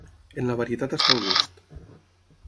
En la varietat està el gust.